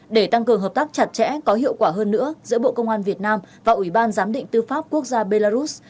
để tăng cường hợp tác chặt chẽ có hiệu quả hơn nữa giữa bộ công an việt nam và ủy ban giám định tư pháp quốc gia belarus